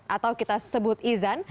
atau kita sebut izan